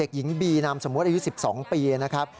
หญิงบีนามสมมุติอายุ๑๒ปีนะครับ